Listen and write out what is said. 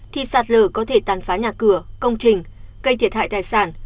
thì sạt lở có thể tàn phá nhà cửa công trình gây thiệt hại tài sản